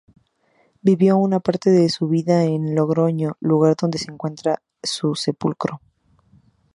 Vivió una parte de su vida en Logroño, lugar donde se encuentra su sepulcro.